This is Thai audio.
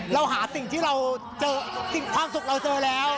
เราหาสิ่งที่เราความสุขเราเจอกันแล้ว